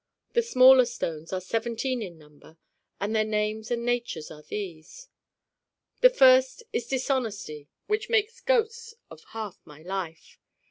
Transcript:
The smaller stones are seventeen in number and their names and natures are these: the first is Dishonesty which makes ghosts of half my life.